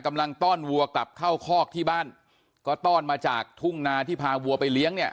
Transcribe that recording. ต้อนวัวกลับเข้าคอกที่บ้านก็ต้อนมาจากทุ่งนาที่พาวัวไปเลี้ยงเนี่ย